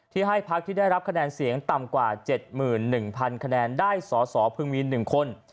ให้พักที่ได้รับคะแนนเสียงต่ำกว่า๗๑๐๐คะแนนได้สอสอพึงมี๑คน